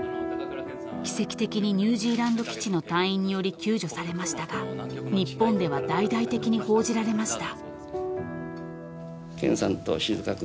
［奇跡的にニュージーランド基地の隊員により救助されましたが日本では大々的に報じられました］